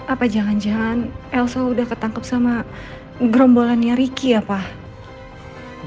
apa jangan jangan elsa udah ketangkep sama gerombolannya ricky ya pak